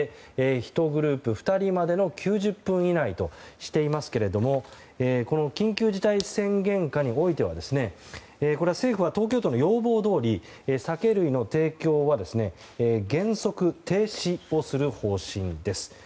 １グループ２人までの９０分以内としていますが緊急事態宣言下においては政府は東京都の要望どおり酒類の提供は原則停止をする方針です。